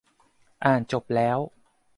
อ่านจบแล้ว !